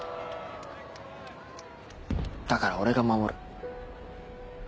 だから俺が守る。